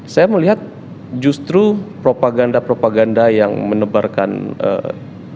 saya melihat justru propaganda propaganda yang menebarkan informasi